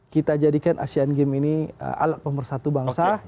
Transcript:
kita jadikan asean games ini alat pemersatu bangsa